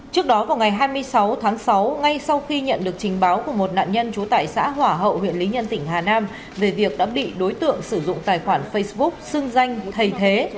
trước đó vào ngày hai mươi sáu tháng sáu ngay sau khi nhận được trình báo của một nạn nhân trú tại xã hỏa hậu huyện lý nhân tỉnh hà nam về việc đã bị đối tượng sử dụng tài khoản facebook xưng danh thầy thế